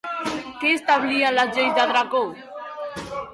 Què establien les lleis de Dracó?